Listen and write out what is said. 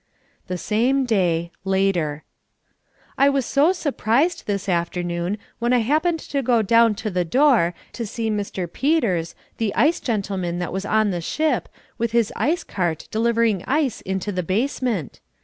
The Same Day. Later I was so surprised this afternoon, when I happened to go down to the door, to see Mr. Peters, the ice gentleman that was on the ship, with his ice cart delivering ice into the basement.